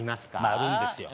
あるんですよ